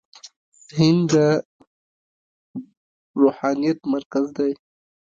هند د روحانيت مرکز دی.